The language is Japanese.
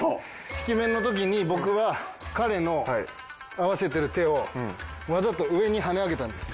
引き面の時に僕は彼の合わせてる手をわざと上に跳ね上げたんです。